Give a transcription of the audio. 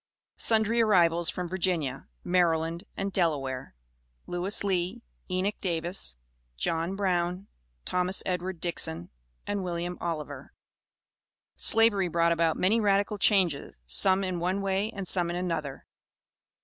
SUNDRY ARRIVALS FROM VIRGINIA, MARYLAND AND DELAWARE. LEWIS LEE, ENOCH DAVIS, JOHN BROWN, THOMAS EDWARD DIXON, AND WILLIAM OLIVER. Slavery brought about many radical changes, some in one way and some in another.